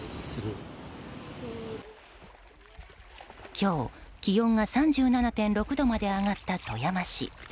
今日、気温が３７．６度まで上がった富山市。